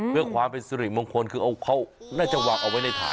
เพื่อความเป็นสิริมงคลคือเขาน่าจะวางเอาไว้ในฐาน